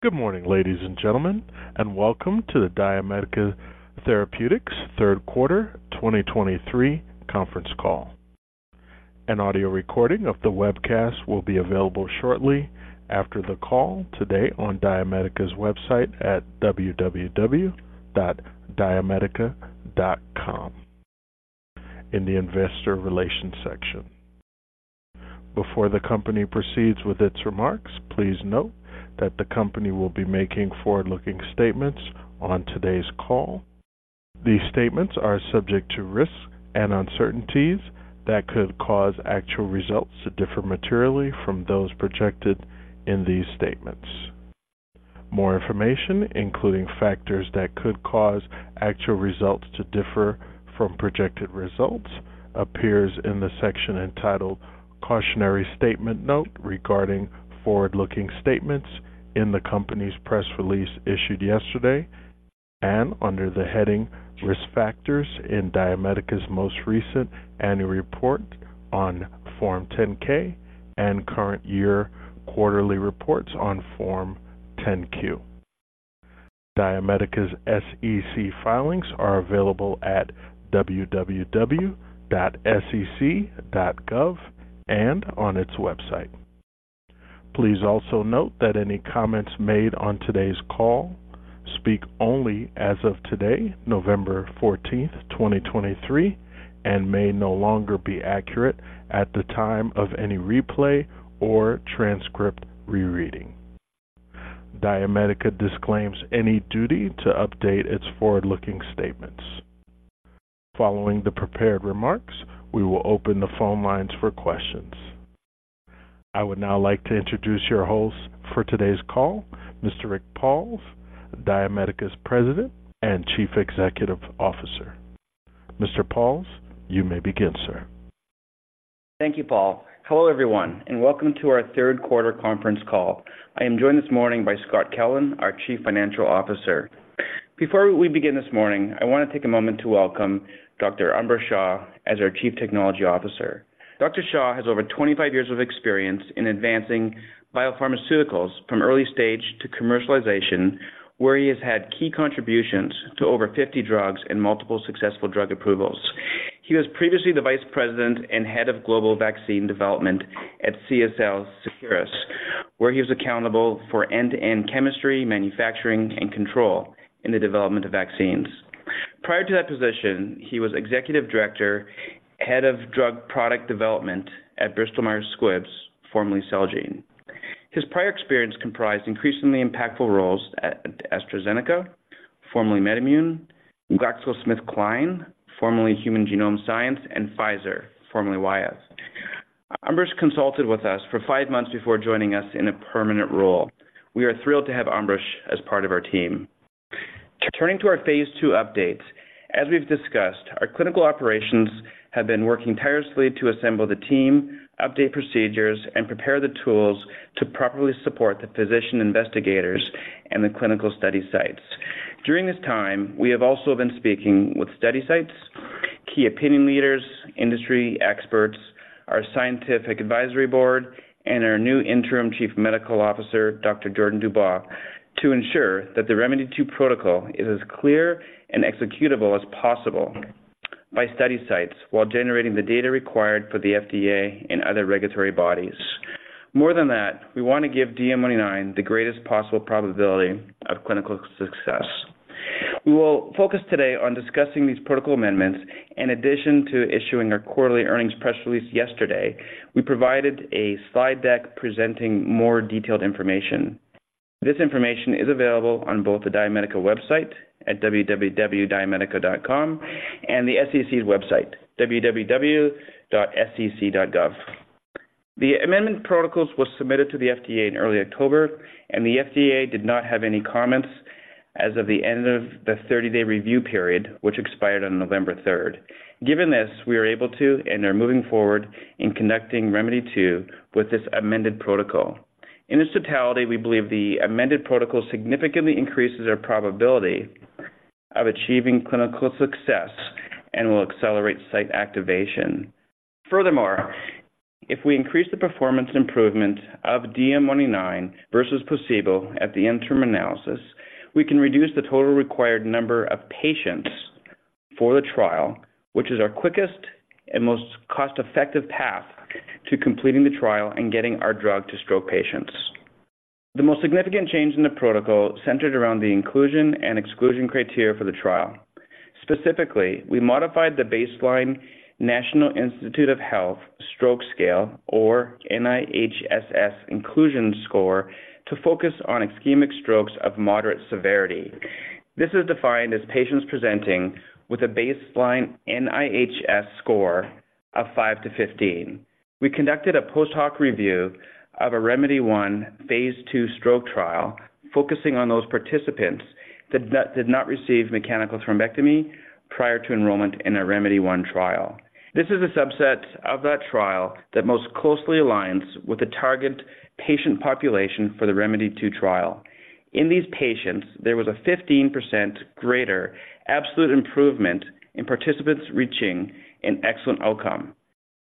Good morning, ladies and gentlemen, and welcome to the DiaMedica Therapeutics third quarter 2023 conference call. An audio recording of the webcast will be available shortly after the call today on DiaMedica's website at www.diamedica.com in the Investor Relations section. Before the company proceeds with its remarks, please note that the company will be making forward-looking statements on today's call. These statements are subject to risks and uncertainties that could cause actual results to differ materially from those projected in these statements. More information, including factors that could cause actual results to differ from projected results, appears in the section entitled "Cautionary Statement Note regarding Forward-Looking Statements" in the company's press release issued yesterday and under the heading "Risk Factors" in DiaMedica's most recent annual report on Form 10-K and current year quarterly reports on Form 10-Q. DiaMedica's SEC filings are available at www.sec.gov and on its website. Please also note that any comments made on today's call speak only as of today, November 14th, 2023, and may no longer be accurate at the time of any replay or transcript rereading. DiaMedica disclaims any duty to update its forward-looking statements. Following the prepared remarks, we will open the phone lines for questions. I would now like to introduce your host for today's call, Mr. Rick Pauls, DiaMedica's President and Chief Executive Officer. Mr. Pauls, you may begin, sir. Thank you, Paul. Hello, everyone, and welcome to our third quarter conference call. I am joined this morning by Scott Kellen, our Chief Financial Officer. Before we begin this morning, I want to take a moment to welcome Dr. Ambarish Shah as our Chief Technology Officer. Dr. Shah has over 25 years of experience in advancing biopharmaceuticals from early stage to commercialization, where he has had key contributions to over 50 drugs and multiple successful drug approvals. He was previously the Vice President and Head of Global Vaccines Development at CSL Seqirus, where he was accountable for end-to-end chemistry, manufacturing and control in the development of vaccines. Prior to that position, he was Executive Director, Head of Drug Product Development at Bristol-Myers Squibb, formerly Celgene. His prior experience comprised increasingly impactful roles at AstraZeneca, formerly MedImmune, GlaxoSmithKline, formerly Human Genome Sciences, and Pfizer, formerly Wyeth. Ambarish consulted with us for five months before joining us in a permanent role. We are thrilled to have Ambarish as part of our team. Turning to our phase II updates, as we've discussed, our clinical operations have been working tirelessly to assemble the team, update procedures, and prepare the tools to properly support the physician investigators and the clinical study sites. During this time, we have also been speaking with study sites, key opinion leaders, industry experts, our scientific advisory board, and our new interim Chief Medical Officer, Dr. Jordan Dubow, to ensure that the ReMEDy2 protocol is as clear and executable as possible by study sites while generating the data required for the FDA and other regulatory bodies. More than that, we want to give DM199 the greatest possible probability of clinical success. We will focus today on discussing these protocol amendments. In addition to issuing our quarterly earnings press release yesterday, we provided a slide deck presenting more detailed information. This information is available on both the DiaMedica website at www.diamedica.com and the SEC's website, www.sec.gov. The amendment protocols were submitted to the FDA in early October, and the FDA did not have any comments as of the end of the 30-day review period, which expired on November third. Given this, we are able to and are moving forward in conducting ReMEDy2 with this amended protocol. In its totality, we believe the amended protocol significantly increases our probability of achieving clinical success and will accelerate site activation. Furthermore, if we increase the performance improvement of DM199 versus placebo at the interim analysis, we can reduce the total required number of patients for the trial, which is our quickest and most cost-effective path to completing the trial and getting our drug to stroke patients. The most significant change in the protocol centered around the inclusion and exclusion criteria for the trial. Specifically, we modified the baseline National Institutes of Health Stroke Scale, or NIHSS inclusion score, to focus on ischemic strokes of moderate severity. This is defined as patients presenting with a baseline NIHSS score of 5-15. We conducted a post-hoc review of a ReMEDy1 phase II stroke trial, focusing on those participants that did not receive mechanical thrombectomy prior to enrollment in our ReMEDy1 trial. This is a subset of that trial that most closely aligns with the target patient population for the ReMEDy2 trial. In these patients, there was a 15% greater absolute improvement in participants reaching an excellent outcome,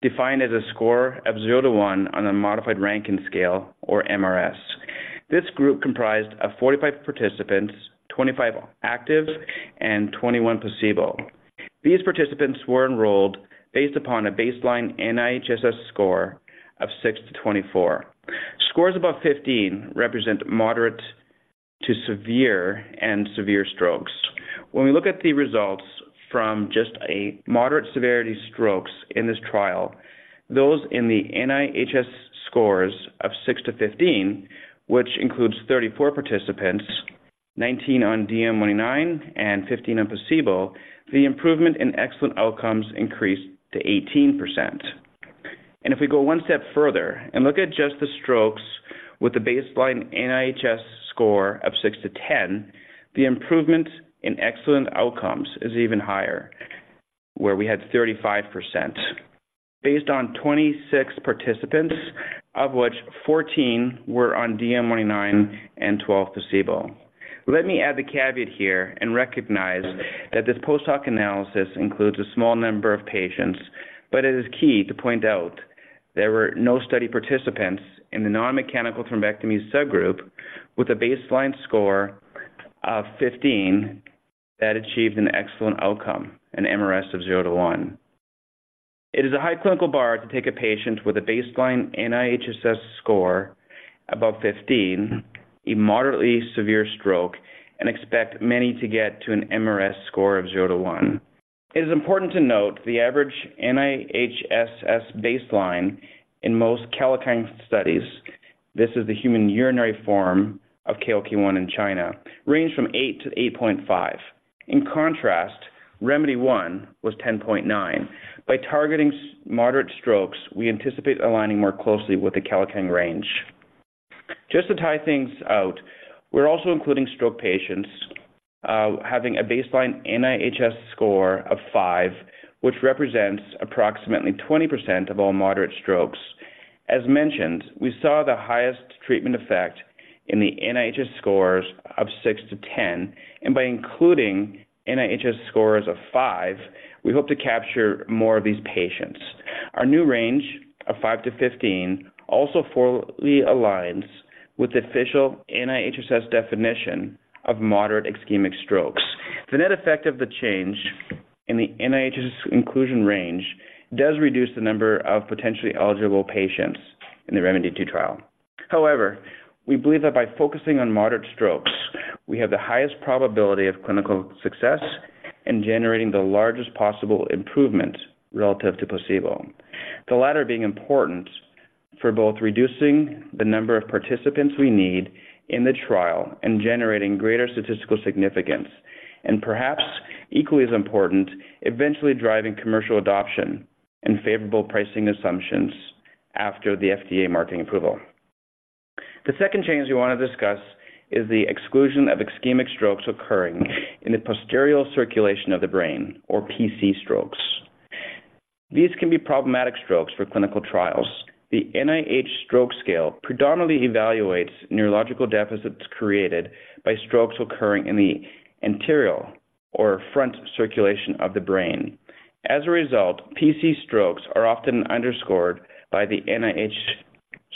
defined as a score of 0-1 on a modified Rankin Scale or mRS. This group comprised of 45 participants, 25 active and 21 placebo. These participants were enrolled based upon a baseline NIHSS score of 6-24. Scores above 15 represent moderate to severe and severe strokes. When we look at the results from just a moderate severity strokes in this trial, those in the NIHSS scores of 6-15, which includes 34 participants, 19 on DM199 and 15 on placebo, the improvement in excellent outcomes increased to 18%. If we go one step further and look at just the strokes with the baseline NIHSS score of 6-10, the improvement in excellent outcomes is even higher, where we had 35%. Based on 26 participants, of which 14 were on DM199 and 12 placebo. Let me add the caveat here and recognize that this post hoc analysis includes a small number of patients, but it is key to point out there were no study participants in the non-mechanical thrombectomy subgroup with a baseline score of 15 that achieved an excellent outcome, an mRS of 0-1. It is a high clinical bar to take a patient with a baseline NIHSS score above 15, a moderately severe stroke, and expect many to get to an mRS score of 0-1. It is important to note the average NIHSS baseline in most Kailikang studies, this is the human urinary form of KLK1 in China, range from 8-8.5. In contrast, ReMEDy1 was 10.9. By targeting moderate strokes, we anticipate aligning more closely with the Kailikang range. Just to tie things out, we're also including stroke patients having a baseline NIHSS score of five, which represents approximately 20% of all moderate strokes. As mentioned, we saw the highest treatment effect in the NIHSS scores of 6-10, and by including NIHSS scores of five, we hope to capture more of these patients. Our new range of 5-15 also fully aligns with the official NIHSS definition of moderate ischemic strokes. The net effect of the change in the NIHSS inclusion range does reduce the number of potentially eligible patients in the ReMEDy2 trial. However, we believe that by focusing on moderate strokes, we have the highest probability of clinical success in generating the largest possible improvement relative to placebo. The latter being important for both reducing the number of participants we need in the trial and generating greater statistical significance, and perhaps equally as important, eventually driving commercial adoption and favorable pricing assumptions after the FDA marketing approval. The second change we want to discuss is the exclusion of ischemic strokes occurring in the posterior circulation of the brain or PC strokes. These can be problematic strokes for clinical trials. The NIH Stroke Scale predominantly evaluates neurological deficits created by strokes occurring in the anterior or front circulation of the brain. As a result, PC strokes are often underscored by the NIH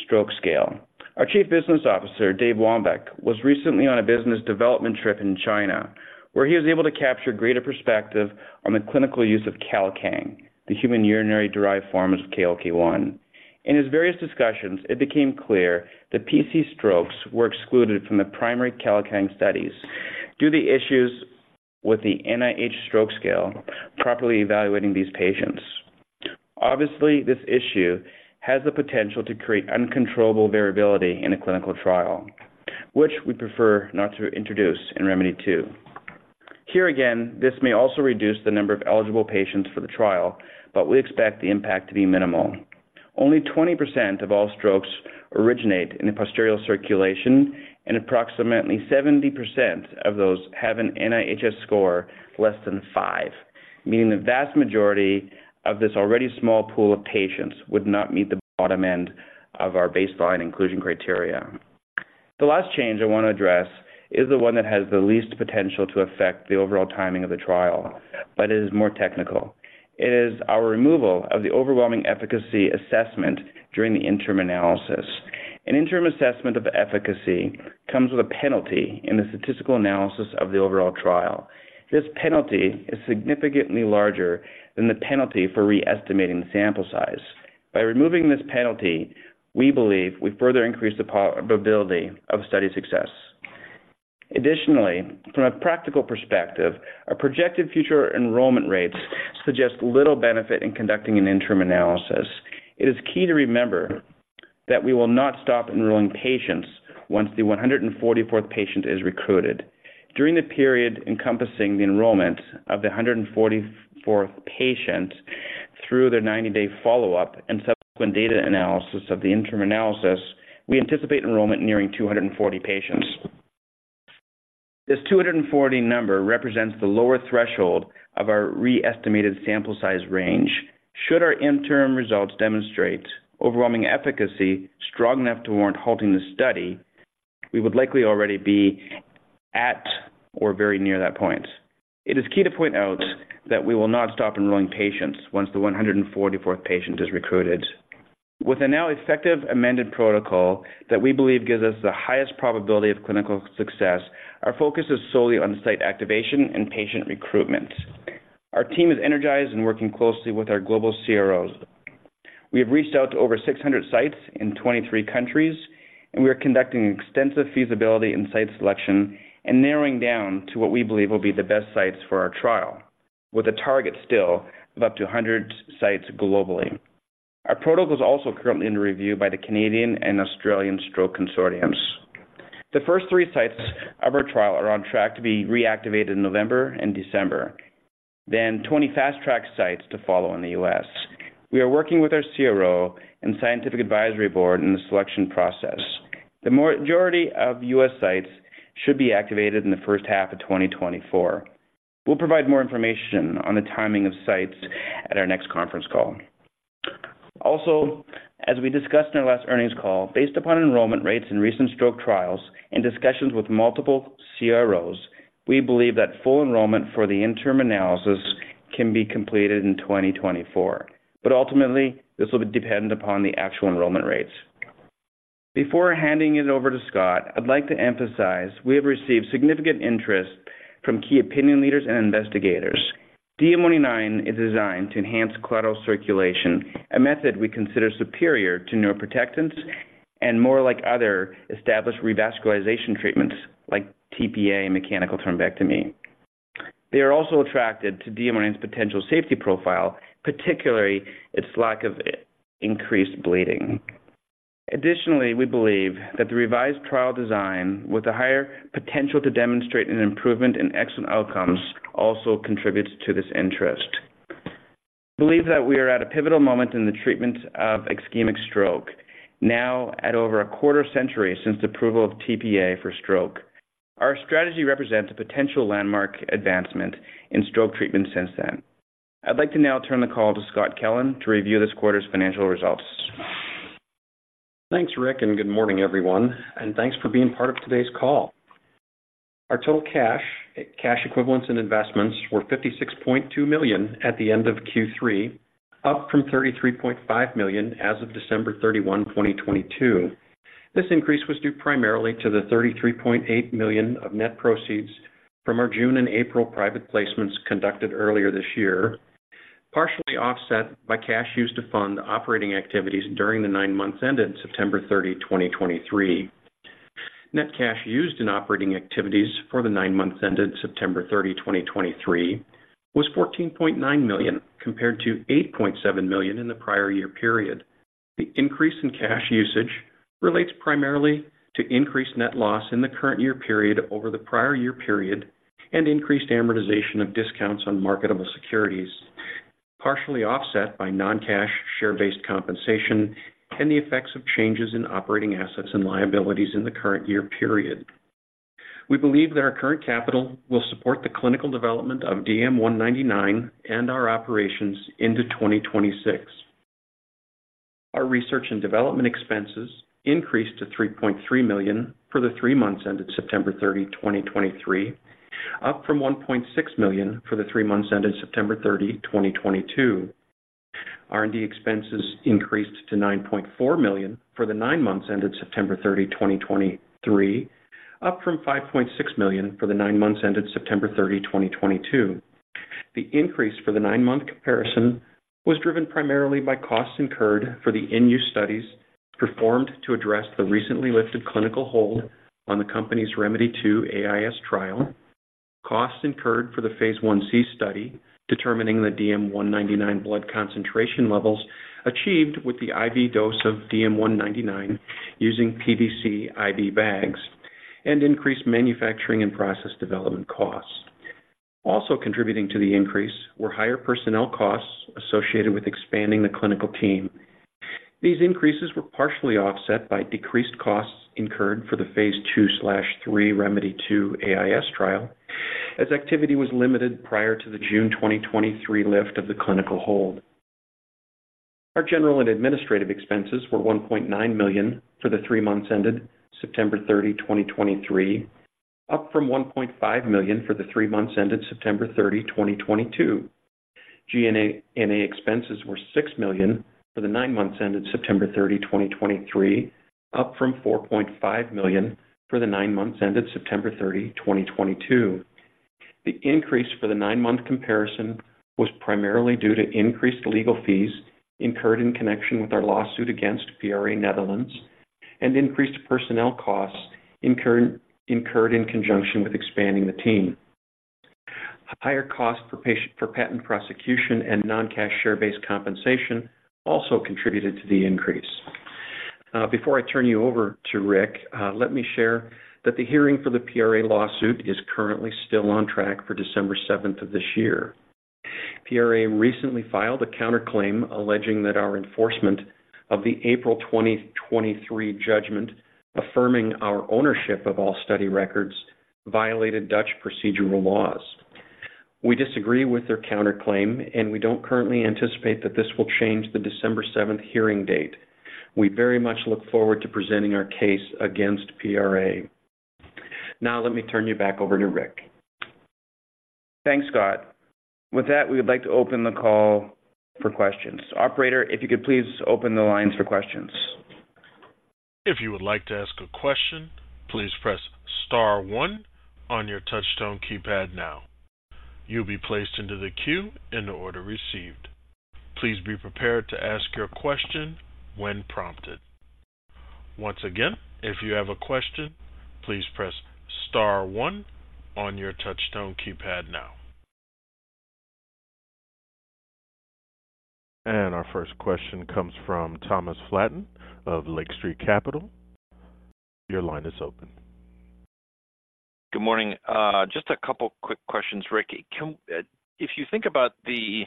Stroke Scale. Our Chief Business Officer, Dave Wambeke, was recently on a business development trip in China, where he was able to capture greater perspective on the clinical use of Kailikang, the human urinary-derived form of KLK1. In his various discussions, it became clear that PC strokes were excluded from the primary Kailikang studies due to issues with the NIH Stroke Scale properly evaluating these patients. Obviously, this issue has the potential to create uncontrollable variability in a clinical trial, which we prefer not to introduce in ReMEDy2. Here again, this may also reduce the number of eligible patients for the trial, but we expect the impact to be minimal. Only 20% of all strokes originate in the posterior circulation, and approximately 70% of those have an NIHSS score less than five, meaning the vast majority of this already small pool of patients would not meet the bottom end of our baseline inclusion criteria. The last change I want to address is the one that has the least potential to affect the overall timing of the trial, but it is more technical. It is our removal of the overwhelming efficacy assessment during the interim analysis. An interim assessment of the efficacy comes with a penalty in the statistical analysis of the overall trial. This penalty is significantly larger than the penalty for re-estimating the sample size. By removing this penalty, we believe we further increase the probability of study success. Additionally, from a practical perspective, our projected future enrollment rates suggest little benefit in conducting an interim analysis. It is key to remember that we will not stop enrolling patients once the 144th patient is recruited. During the period encompassing the enrollment of the 144th patient through their 90-day follow-up and subsequent data analysis of the interim analysis, we anticipate enrollment nearing 240 patients. This 240 number represents the lower threshold of our re-estimated sample size range. Should our interim results demonstrate overwhelming efficacy strong enough to warrant halting the study? We would likely already be at or very near that point. It is key to point out that we will not stop enrolling patients once the 144th patient is recruited. With a now effective amended protocol that we believe gives us the highest probability of clinical success, our focus is solely on site activation and patient recruitment. Our team is energized and working closely with our global CROs. We have reached out to over 600 sites in 23 countries, and we are conducting extensive feasibility and site selection and narrowing down to what we believe will be the best sites for our trial, with a target still of up to 100 sites globally. Our protocol is also currently under review by the Canadian and Australian Stroke Consortiums. The first three sites of our trial are on track to be reactivated in November and December, then 20 fast-track sites to follow in the U.S. We are working with our CRO and scientific advisory board in the selection process. The majority of U.S. sites should be activated in the first half of 2024. We'll provide more information on the timing of sites at our next conference call. Also, as we discussed in our last earnings call, based upon enrollment rates in recent stroke trials and discussions with multiple CROs, we believe that full enrollment for the interim analysis can be completed in 2024. But ultimately, this will be dependent upon the actual enrollment rates. Before handing it over to Scott, I'd like to emphasize we have received significant interest from key opinion leaders and investigators. DM199 is designed to enhance collateral circulation, a method we consider superior to neuroprotectants and more like other established revascularization treatments like tPA and mechanical thrombectomy. They are also attracted to DM199's potential safety profile, particularly its lack of increased bleeding. Additionally, we believe that the revised trial design, with a higher potential to demonstrate an improvement in excellent outcomes, also contributes to this interest. We believe that we are at a pivotal moment in the treatment of ischemic stroke. Now, at over a quarter century since the approval of tPA for stroke, our strategy represents a potential landmark advancement in stroke treatment since then. I'd like to now turn the call to Scott Kellen to review this quarter's financial results. Thanks, Rick, and good morning, everyone, and thanks for being part of today's call. Our total cash, cash equivalents, and investments were $56.2 million at the end of Q3, up from $33.5 million as of December 31, 2022. This increase was due primarily to the $33.8 million of net proceeds from our June and April private placements conducted earlier this year, partially offset by cash used to fund operating activities during the nine months ended September 30, 2023. Net cash used in operating activities for the nine months ended September 30, 2023, was $14.9 million, compared to $8.7 million in the prior year period. The increase in cash usage relates primarily to increased net loss in the current year period over the prior year period and increased amortization of discounts on marketable securities, partially offset by non-cash share-based compensation and the effects of changes in operating assets and liabilities in the current year period. We believe that our current capital will support the clinical development of DM199 and our operations into 2026. Our research and development expenses increased to $3.3 million for the three months ended September 30, 2023, up from $1.6 million for the three months ended September 30, 2022. R&D expenses increased to $9.4 million for the nine months ended September 30, 2023, up from $5.6 million for the nine months ended September 30, 2022. The increase for the nine-month comparison was driven primarily by costs incurred for the in-use studies performed to address the recently lifted clinical hold on the company's ReMEDy2 AIS trial. Costs incurred for the phase I-C study, determining the DM199 blood concentration levels achieved with the IV dose of DM199 using PVC IV bags and increased manufacturing and process development costs. Also contributing to the increase were higher personnel costs associated with expanding the clinical team. These increases were partially offset by decreased costs incurred for the phase II/III ReMEDy2 AIS trial, as activity was limited prior to the June 2023 lift of the clinical hold. Our general and administrative expenses were $1.9 million for the three months ended September 30, 2023, up from $1.5 million for the three months ended September 30, 2022. G&A expenses were $6 million for the nine months ended September 30, 2023, up from $4.5 million for the nine months ended September 30, 2022. The increase for the nine-month comparison was primarily due to increased legal fees incurred in connection with our lawsuit against PRA Netherlands and increased personnel costs incurred in conjunction with expanding the team. Higher costs per patent prosecution and non-cash share-based compensation also contributed to the increase. Before I turn you over to Rick, let me share that the hearing for the PRA lawsuit is currently still on track for December 7th of this year. PRA recently filed a counterclaim alleging that our enforcement of the April 2023 judgment, affirming our ownership of all study records, violated Dutch procedural laws. We disagree with their counterclaim, and we don't currently anticipate that this will change the December 7th hearing date. We very much look forward to presenting our case against PRA. Now, let me turn you back over to Rick. Thanks, Scott. With that, we would like to open the call for questions. Operator, if you could please open the lines for questions. If you would like to ask a question, please press star one on your touchtone keypad now. You'll be placed into the queue in the order received. Please be prepared to ask your question when prompted. Once again, if you have a question, please press star one on your touchtone keypad now. Our first question comes from Thomas Flaten of Lake Street Capital. Your line is open. Good morning. Just a couple quick questions, Ricky. Can, if you think about the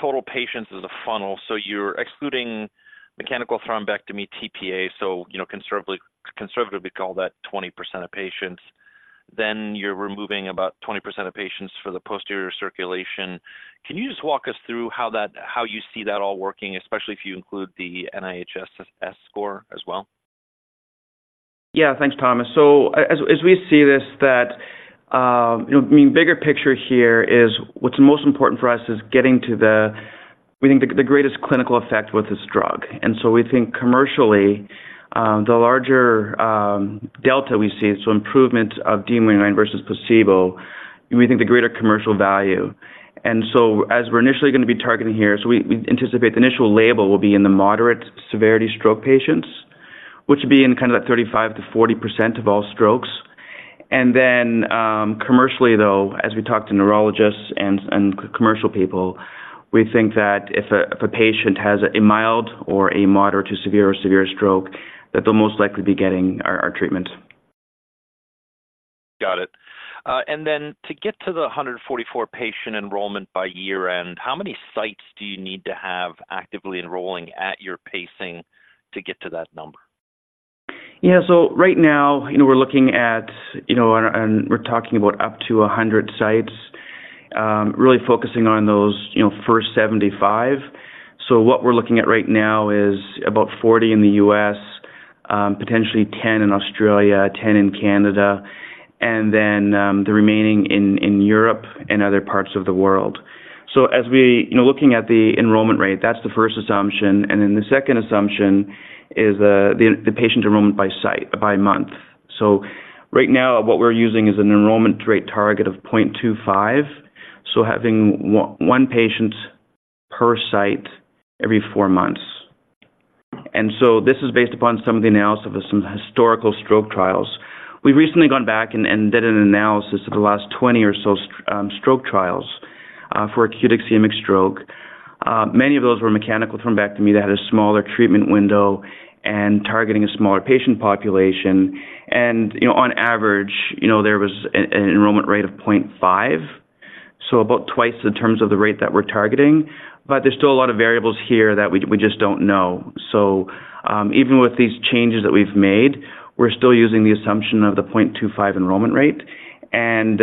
total patients as a funnel, so you're excluding mechanical thrombectomy, tPA, so you know, conservatively, conservatively call that 20% of patients, then you're removing about 20% of patients for the posterior circulation. Can you just walk us through how that, how you see that all working, especially if you include the NIHSS score as well? Yeah. Thanks, Thomas. So as we see this, that, you know, I mean, bigger picture here is what's most important for us is getting to the, we think, the greatest clinical effect with this drug. And so we think commercially, the larger delta we see, so improvement of DM199 versus placebo, we think the greater commercial value. And so as we're initially going to be targeting here, so we, we anticipate the initial label will be in the moderate severity stroke patients, which would be in kind of that 35%-40% of all strokes. And then, commercially, though, as we talk to neurologists and, and commercial people, we think that if a, if a patient has a mild or a moderate to severe or severe stroke, that they'll most likely be getting our, our treatment. Got it. And then to get to the 144 patient enrollment by year-end, how many sites do you need to have actively enrolling at your pacing to get to that number? Yeah. So right now, you know, we're looking at, you know, and we're talking about up to 100 sites, really focusing on those, you know, first 75. So what we're looking at right now is about 40 in the U.S., potentially 10 in Australia, 10 in Canada, and then the remaining in Europe and other parts of the world. So as we look, you know, at the enrollment rate, that's the first assumption. And then the second assumption is the patient enrollment by site, by month. So right now, what we're using is an enrollment rate target of 0.25. So having one patient per site every four months. And so this is based upon some of the analysis of some historical stroke trials. We've recently gone back and did an analysis of the last 20 or so stroke trials for acute ischemic stroke. Many of those were mechanical thrombectomy that had a smaller treatment window and targeting a smaller patient population. And, you know, on average, you know, there was an enrollment rate of 0.5, so about twice the terms of the rate that we're targeting. But there's still a lot of variables here that we just don't know. So, even with these changes that we've made, we're still using the assumption of the 0.25 enrollment rate. And,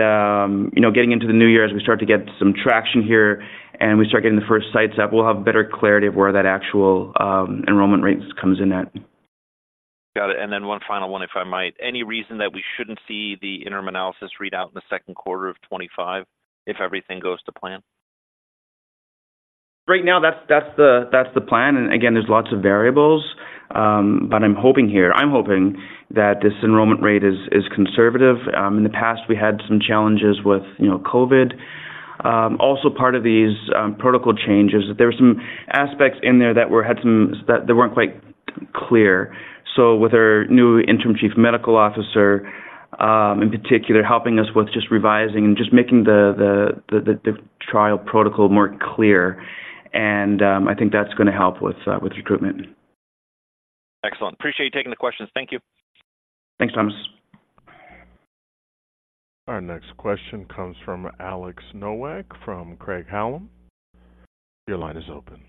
you know, getting into the new year, as we start to get some traction here, and we start getting the first sites up, we'll have better clarity of where that actual enrollment rate comes in at. Got it. And then one final one, if I might. Any reason that we shouldn't see the interim analysis read out in the second quarter of 2025 if everything goes to plan? Right now, that's the plan. And again, there's lots of variables, but I'm hoping that this enrollment rate is conservative. In the past, we had some challenges with, you know, COVID. Also part of these protocol changes, there were some aspects in there that weren't quite clear. So with our new Interim Chief Medical Officer, in particular, helping us with just revising and just making the trial protocol more clear, I think that's gonna help with recruitment. Excellent. Appreciate you taking the questions. Thank you. Thanks, Thomas. Our next question comes from Alex Nowak, from Craig-Hallum. Your line is open.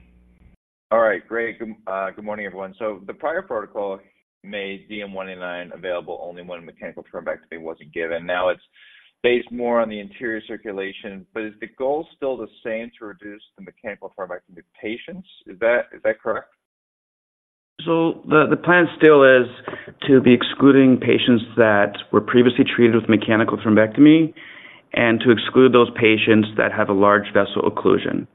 All right, great. Good morning, everyone. So the prior protocol made DM199 available only when mechanical thrombectomy wasn't given. Now it's based more on the anterior circulation, but is the goal still the same, to reduce the mechanical thrombectomy patients? Is that, is that correct? The plan still is to be excluding patients that were previously treated with mechanical thrombectomy and to exclude those patients that have a large vessel occlusion.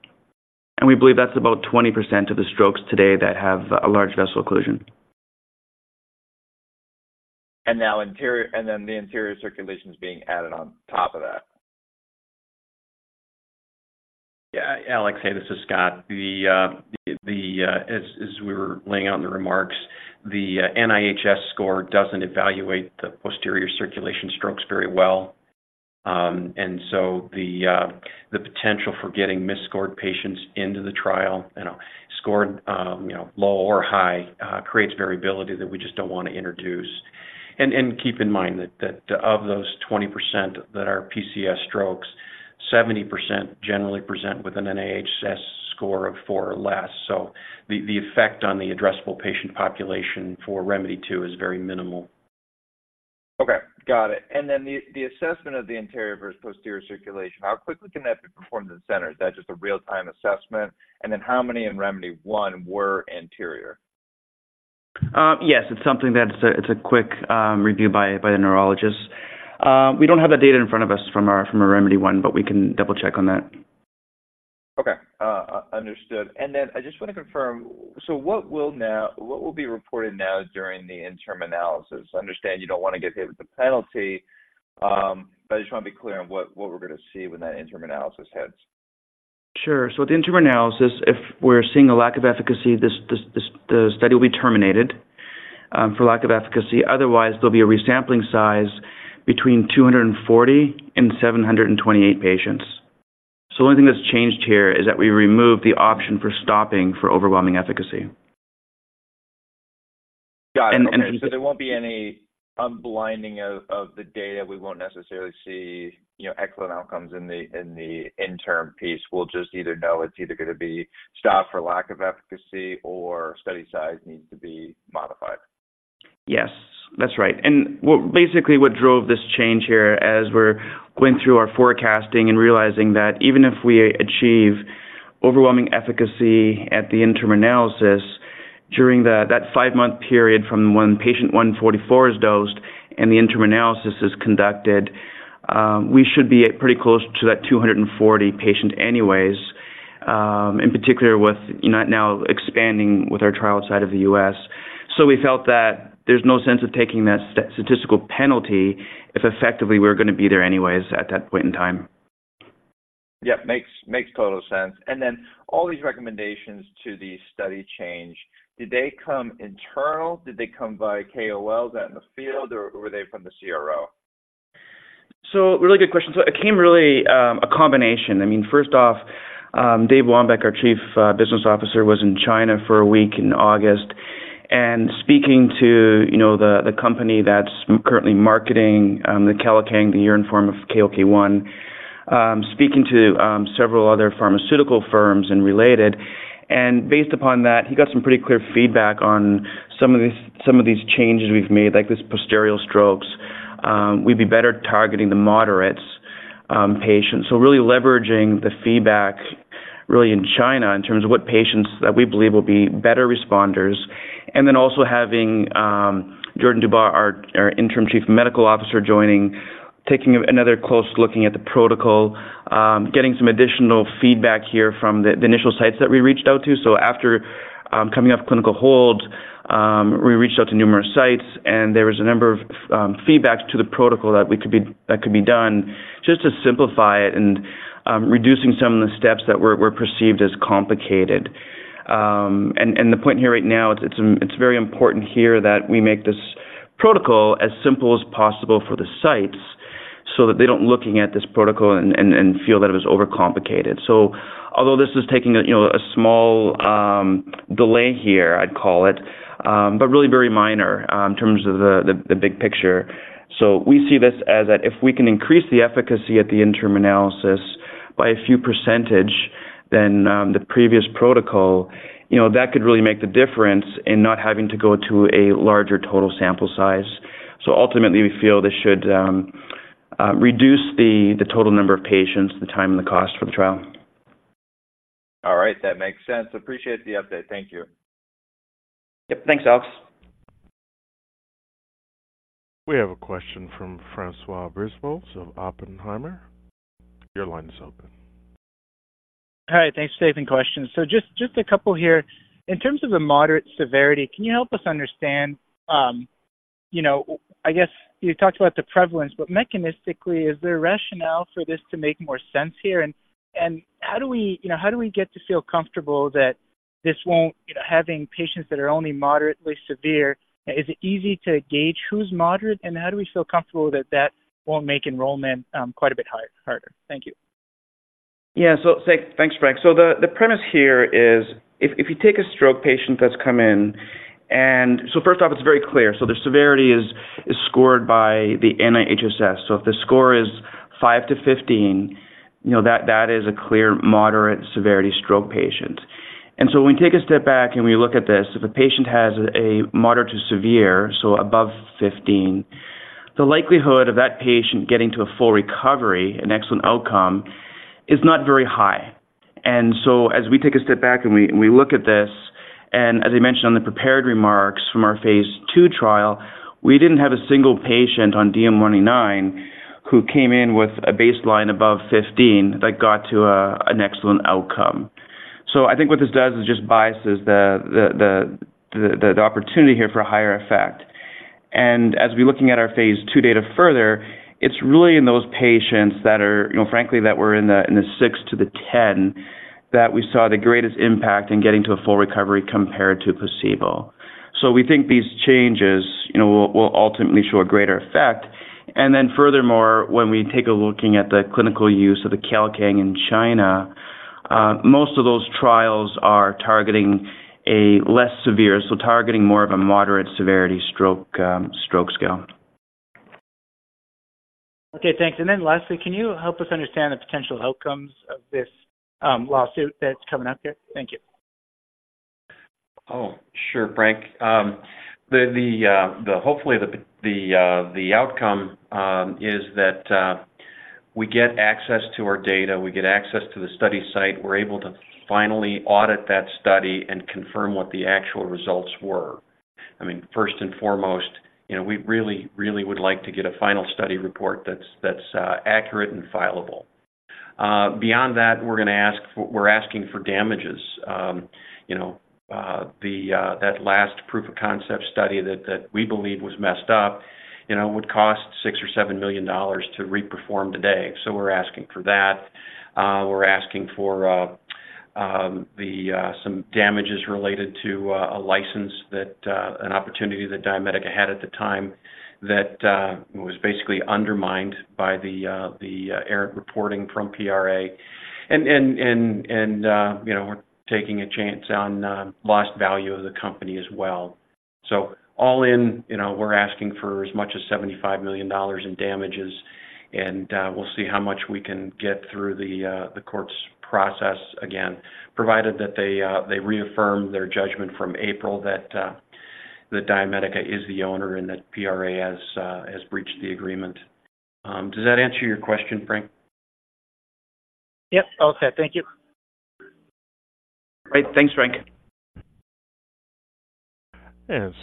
We believe that's about 20% of the strokes today that have a large vessel occlusion. And now anterior-- and then the posterior circulation is being added on top of that. Yeah, Alex, hey, this is Scott. The, as we were laying out in the remarks, the NIHSS score doesn't evaluate the posterior circulation strokes very well. And so the potential for getting misscored patients into the trial, you know, scored, you know, low or high, creates variability that we just don't want to introduce. And keep in mind that of those 20% that are PC strokes, 70% generally present with an NIHSS score of four or less. So the effect on the addressable patient population for ReMEDy2 is very minimal. Okay, got it. And then the assessment of the anterior versus posterior circulation, how quickly can that be performed in the center? Is that just a real-time assessment? And then how many in ReMEDy1 were anterior? Yes, it's something that's a quick review by the neurologist. We don't have that data in front of us from our ReMEDy1, but we can double-check on that. Okay. Understood. And then I just want to confirm, so what will be reported now during the interim analysis? I understand you don't want to get hit with the penalty, but I just want to be clear on what we're gonna see when that interim analysis hits. Sure. So the interim analysis, if we're seeing a lack of efficacy, the study will be terminated for lack of efficacy. Otherwise, there'll be a sample size re-estimation between 240 and 728 patients. So the only thing that's changed here is that we removed the option for stopping for overwhelming efficacy. Got it. And, and- So there won't be any unblinding of the data. We won't necessarily see, you know, excellent outcomes in the interim piece. We'll just know it's either gonna be stopped for lack of efficacy or study size needs to be modified. Yes, that's right. And well, basically, what drove this change here, as we're going through our forecasting and realizing that even if we achieve overwhelming efficacy at the interim analysis, during that, that five-month period from when patient 144 is dosed and the interim analysis is conducted, we should be pretty close to that 240-patient anyways, in particular with, you know, now expanding with our trial outside of the U.S. So we felt that there's no sense of taking that statistical penalty if effectively we're gonna be there anyways at that point in time. Yep, makes total sense. Then all these recommendations to the study change, did they come internal? Did they come by KOLs out in the field, or were they from the CRO? So really good question. So it came really, a combination. I mean, first off, Dave Wambeke, our Chief Business Officer, was in China for a week in August. And speaking to, you know, the, the company that's currently marketing, the Kailikang, the urine form of KLK1, speaking to, several other pharmaceutical firms and related. And based upon that, he got some pretty clear feedback on some of these, some of these changes we've made, like this posterior strokes. We'd be better targeting the moderates, patients. So really leveraging the feedback, really in China, in terms of what patients that we believe will be better responders. Then also having Jordan Dubow, our Interim Chief Medical Officer, joining, taking another close look at the protocol, getting some additional feedback here from the initial sites that we reached out to. After coming off Clinical Hold, we reached out to numerous sites, and there was a number of feedback to the protocol that we could be—that could be done just to simplify it and reducing some of the steps that were perceived as complicated. And the point here right now, it's very important here that we make this protocol as simple as possible for the sites so that they don't look at this protocol and feel that it was overcomplicated. So although this is taking a, you know, a small delay here, I'd call it, but really very minor in terms of the big picture. So we see this as that if we can increase the efficacy at the interim analysis by a few percentage than the previous protocol, you know, that could really make the difference in not having to go to a larger total sample size. So ultimately, we feel this should reduce the total number of patients, the time, and the cost for the trial. All right, that makes sense. Appreciate the update. Thank you. Yep. Thanks, Alex. We have a question from François Brisebois of Oppenheimer. Your line is open. Hi. Thanks for taking questions. So just a couple here. In terms of the moderate severity, can you help us understand, you know, I guess you talked about the prevalence, but mechanistically, is there a rationale for this to make more sense here? And how do we, you know, how do we get to feel comfortable that this won't, you know, having patients that are only moderately severe, is it easy to gauge who's moderate? And how do we feel comfortable that that won't make enrollment quite a bit harder? Thank you. Yeah. So thanks, Franç. So the premise here is if you take a stroke patient that's come in... And so first off, it's very clear. So the severity is scored by the NIHSS. So if the score is 5-15, you know, that is a clear moderate severity stroke patient. And so when we take a step back and we look at this, if a patient has a moderate to severe, so above 15, the likelihood of that patient getting to a full recovery, an excellent outcome, is not very high. And so as we take a step back and we look at this, and as I mentioned on the prepared remarks from our phase II trial, we didn't have a single patient on DM199 who came in with a baseline above 15 that got to an excellent outcome. So I think what this does is just biases the opportunity here for a higher effect. And as we're looking at our phase II data further, it's really in those patients that are, you know, frankly, that were in the 6-10, that we saw the greatest impact in getting to a full recovery compared to placebo. So we think these changes, you know, will ultimately show a greater effect. And then furthermore, when we take a looking at the clinical use of the Kailikang in China, most of those trials are targeting a less severe, so targeting more of a moderate severity stroke stroke scale. Okay, thanks. And then lastly, can you help us understand the potential outcomes of this, lawsuit that's coming up here? Thank you. Oh, sure, Franç. The outcome is that we get access to our data, we get access to the study site. We're able to finally audit that study and confirm what the actual results were. I mean, first and foremost, you know, we really, really would like to get a final study report that's accurate and fileable. Beyond that, we're gonna ask for. We're asking for damages. You know, that last proof of concept study that we believe was messed up, you know, would cost $6 million-$7 million to reperform today. So we're asking for that. We're asking for some damages related to a license that an opportunity that DiaMedica had at the time, that was basically undermined by the error reporting from PRA. You know, we're taking a chance on lost value of the company as well. So all in, you know, we're asking for as much as $75 million in damages, and we'll see how much we can get through the courts process again, provided that they reaffirm their judgment from April that DiaMedica is the owner and that PRA has breached the agreement. Does that answer your question, Franç? Yep. All set. Thank you. Great. Thanks, Franç.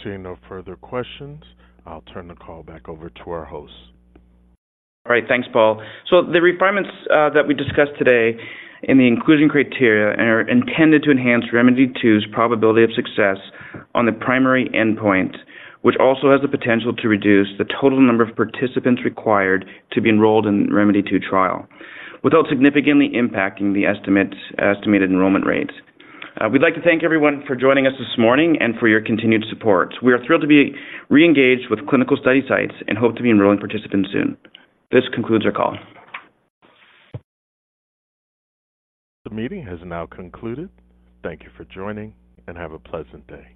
Seeing no further questions, I'll turn the call back over to our host. All right. Thanks, Paul. So the refinements that we discussed today in the inclusion criteria are intended to enhance ReMEDy2's probability of success on the primary endpoint, which also has the potential to reduce the total number of participants required to be enrolled in ReMEDy2 trial, without significantly impacting the estimate, estimated enrollment rates. We'd like to thank everyone for joining us this morning and for your continued support. We are thrilled to be re-engaged with clinical study sites and hope to be enrolling participants soon. This concludes our call. The meeting has now concluded. Thank you for joining, and have a pleasant day.